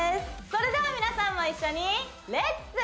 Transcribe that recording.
それでは皆さんも一緒にレッツ！